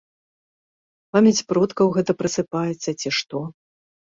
Памяць продкаў гэта прасыпаецца, ці што.